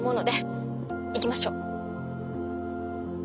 行きましょう。